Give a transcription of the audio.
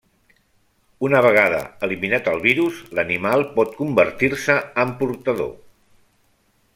Una vegada eliminat el virus, l'animal pot convertir-se en portador.